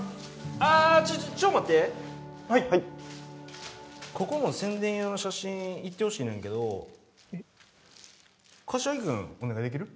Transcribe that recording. あちょっと待ってはいここの宣伝用の写真行ってほしいねんけど柏木君お願いできる？